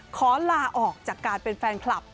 ขอลาออกจากการเป็นแฟนคลับ